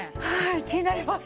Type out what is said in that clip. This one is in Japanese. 気になります。